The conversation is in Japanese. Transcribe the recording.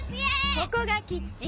ここがキッチン。